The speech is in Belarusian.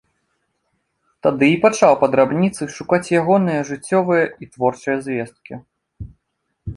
Тады і пачаў па драбніцы шукаць ягоныя жыццёвыя і творчыя звесткі.